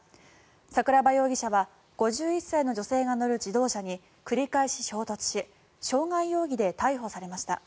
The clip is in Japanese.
桜庭容疑者は５１歳の女性が乗る自動車に繰り返し衝突し傷害容疑で逮捕されました。